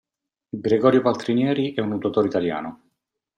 Gregorio Paltrinieri è un nuotatore italiano.